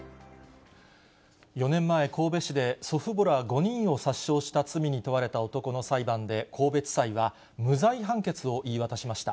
４年前、神戸市で祖父母ら５人を殺傷した罪に問われた男の裁判で、神戸地裁は無罪判決を言い渡しました。